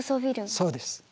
そうです。